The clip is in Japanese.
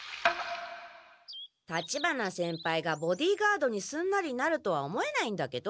立花先輩がボディーガードにすんなりなるとは思えないんだけど？